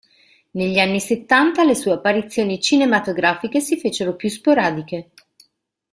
Negli anni settanta le sue apparizioni cinematografiche si fecero più sporadiche.